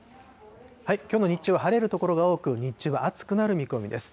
きょうの日中は晴れる所が多く、日中は暑くなる見込みです。